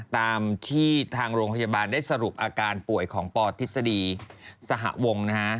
ตามที่ทางโรงพยาบาลได้สรุปอาการป่วยของปทฤษฎีสหวงนะฮะ